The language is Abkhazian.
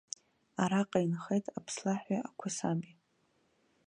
Араҟа инхеит аԥслаҳәи ақәасаби.